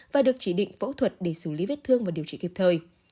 và được chỉ định phẫu thuật để xử lý vết thương và điều trị kịp thời